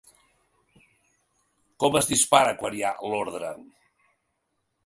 Com es dispara, quan hi ha l’ordre?